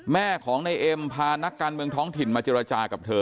แม่ของนายเอ็มพานักการเมืองท้องถิ่นมาเจรจากับเธอ